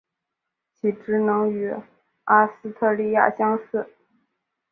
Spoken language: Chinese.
其职能与阿斯特莉亚相似。